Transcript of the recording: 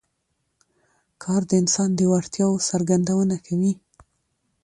کار د انسان د وړتیاوو څرګندونه کوي